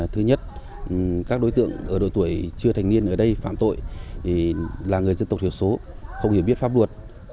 thứ nhất các đối tượng ở độ tuổi chưa thành niên ở đây phạm tội là người dân tộc thiểu số không hiểu biết pháp luật